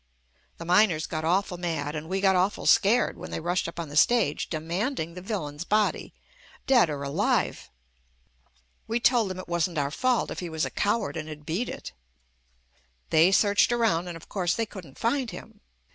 The miners got awful mad and we got awful scared, when they rushed up on the stage demanding the villain's body, dead or alive. We told them it wasn't our fault if he was a coward and had beat it. They searched around and, of course, they couldn't find him.